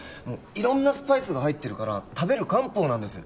色んなスパイスが入ってるから食べる漢方なんです